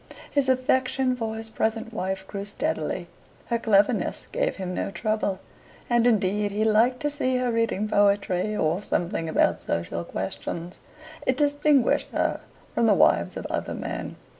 His affection for his present wife grew steadily. Her cleverness gave him no trouble, and, indeed, he liked to see her reading poetry or something about social questions; it distinguished her from the wives of other men.